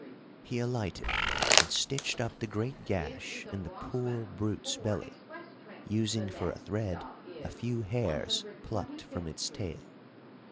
He alighted, and stitched up the great gash in the poor brute's belly, using for a thread a few hairs plucked from its tail.